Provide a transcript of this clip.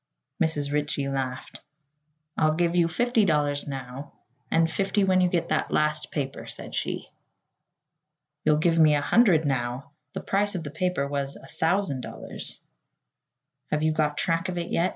Mrs. Ritchie laughed. "I'll give you fifty dollars now, and fifty when you get that last paper," said she. "You'll give me a hundred now. The price of the paper was a thousand dollars." "Have you got track of it yet?"